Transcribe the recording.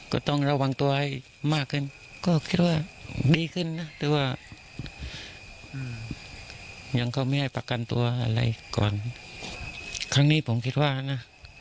ครั้งนี้ผมคิดว่านะ